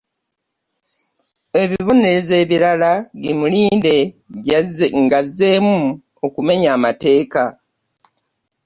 Ebibonerezo ebirala gimulinde ng'azzeemu okumenya amateeka.